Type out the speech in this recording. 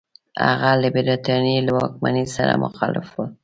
هغه له برټانیې له واکمنۍ سره مخالف وو.